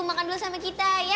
makan dulu sama kita ya